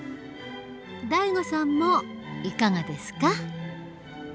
ＤＡＩＧＯさんもいかがですか？